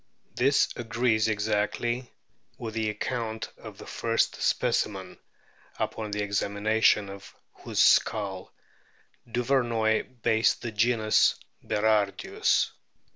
This agrees exactly with the account of the first specimen, upon the examination of whose skull Duvernoy based the genus Berardius.